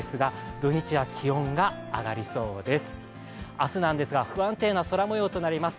明日なんですが不安定な空もようとなります。